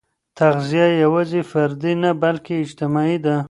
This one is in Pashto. تغذیه یوازې فردي نه، بلکې اجتماعي ده.